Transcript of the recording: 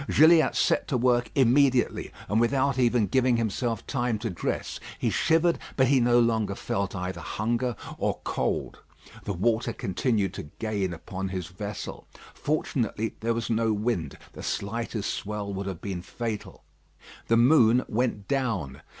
Gilliatt set to work immediately, and without even giving himself time to dress. He shivered; but he no longer felt either hunger or cold. The water continued to gain upon his vessel. Fortunately there was no wind. The slightest swell would have been fatal. The moon went down.